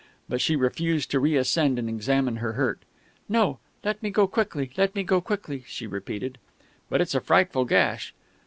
But she refused to reascend and to examine her hurt. "No, let me go quickly let me go quickly," she repeated. "But it's a frightful gash!"